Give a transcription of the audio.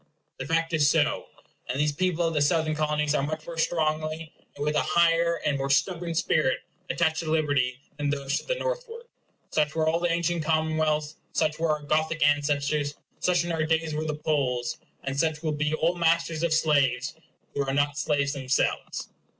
The fact is so; and these people of the Southern Colonies are much more strongly, and with an higher and more stubborn spirit, attached to liberty than those to the northward. Such were all the ancient commonwealths; such were our Gothic ancestors; such in our days were the Poles; and such will be all masters of slaves, who are not slaves themselves.